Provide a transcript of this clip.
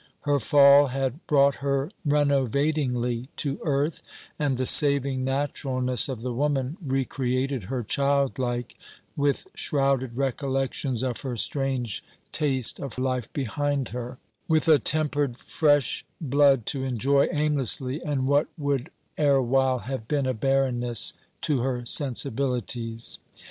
Her fall had brought her renovatingly to earth, and the saving naturalness of the woman recreated her childlike, with shrouded recollections of her strange taste of life behind her; with a tempered fresh blood to enjoy aimlessly, and what would erewhile have been a barrenness to her sensibilities.